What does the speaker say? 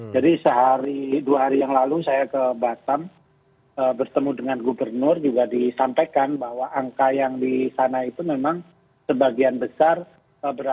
jadi sehari dua hari yang lalu saya ke batam bertemu dengan gubernur juga disampaikan bahwa angka yang di sana itu memang sebagian besar berasal dari pelaku perjalanan